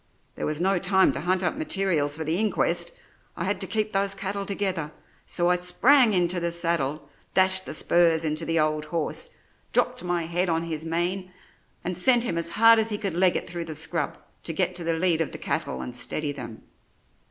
There was no time to hunt up materials for the inquest; I had to keep those cattle together, so I sprang into the saddle, dashed the spurs into the old horse, dropped my head on his mane, and sent him as hard as he could leg it through the scrub to get to the lead of the cattle and steady them.